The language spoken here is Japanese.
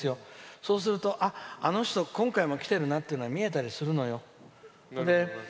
そうすると、あの人今回も来ているなっていうのが見えたりするんです。